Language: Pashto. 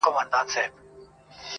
کيسه تماشه نه حل ښيي ښکاره-